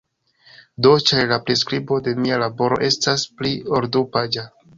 Do, ĉar, la priskribo de mia laboro estas pli ol du-paĝa.